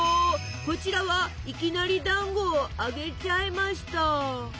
こちらはいきなりだんごを揚げちゃいました。